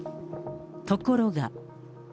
ところが。